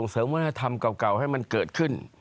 เสริมวัฒนธรรมเก่าให้มันเกิดขึ้น